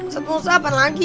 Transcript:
satu satu apaan lagi